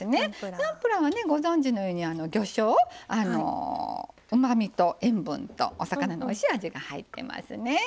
ナムプラーはご存じのように魚しょううまみと塩分とお魚のおいしい味が入ってますね。